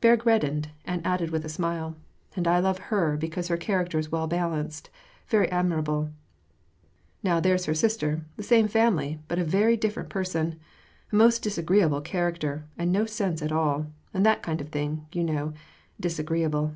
Berg reddened, and added with a smile, " And I love her because her character is well balanced — very admirable. Now there's her sister, the same family, but a very different person — a most disagreeable character, and no sense at all, and that kind of thing, you know — disagreeable.